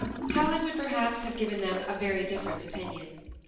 Helen would perhaps have given them a different opinion.